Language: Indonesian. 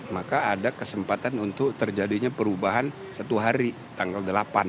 maka ada kesempatan untuk terjadinya perubahan satu hari tanggal delapan